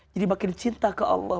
jadi makin cinta ke allah